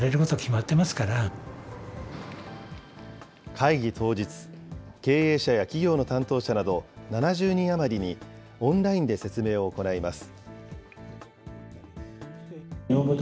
会議当日、経営者や企業の担当者など、７０人余りにオンラインで説明を行います。